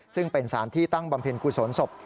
ซึ่งเป็นสารที่ตั้งบำเพ็ญกุศลศพ